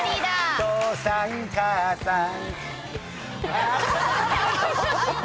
「アー父さん母さん」